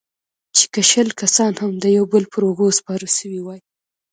چې که شل کسان هم يو د بل پر اوږو سپاره سوي واى.